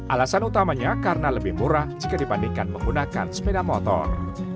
alasan utamanya karena lebih murah jika dibandingkan menggunakan sepeda motor